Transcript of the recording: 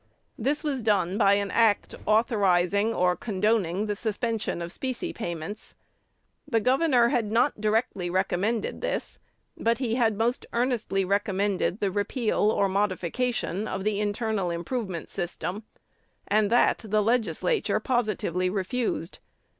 This was done by an act authorizing or condoning the suspension of specie payments. The governor had not directly recommended this, but he had most earnestly recommended the repeal or modification of the internal improvement system; and that the Legislature positively refused.